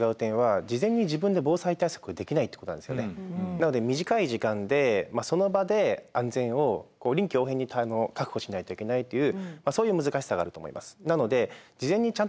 なので短い時間でその場で安全を臨機応変に確保しないといけないというそういう難しさがあると思います。